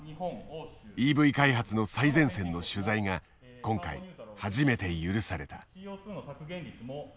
ＥＶ開発の最前線の取材が今回初めて許された。